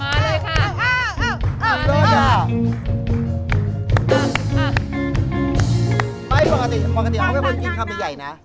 ปกติผมไม่เคยเจอความรู้หรอกคือกินคำเรียไหยนะ